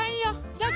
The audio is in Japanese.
どうぞ。